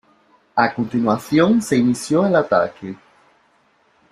A continuación se inició el ataque.